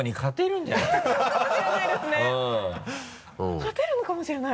勝てるのかもしれない。